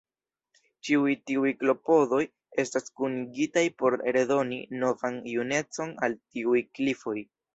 Ĉiuj tiuj klopodoj estas kunigitaj por redoni novan junecon al tiuj klifoj.